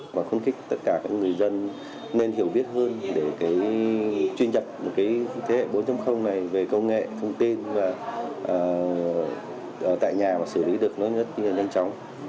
mà khung kích tất cả các người dân nên hiểu biết hơn để chuyên nhập thế hệ bốn này về công nghệ thông tin và ở tại nhà mà xử lý được nó rất nhanh chóng